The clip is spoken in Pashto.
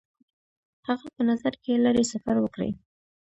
هغه په نظر کې لري سفر وکړي.